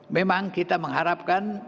memang kita mengharapkan